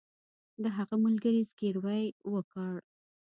د هغه ملګري زګیروی وکړ